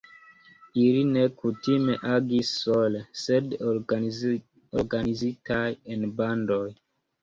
Ili ne kutime agis sole, sed organizitaj en bandoj.